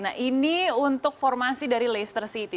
nah ini untuk formasi dari leicester city